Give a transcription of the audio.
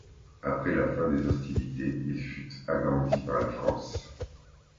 Après la fin des hostilités, il fut agrandi par la France.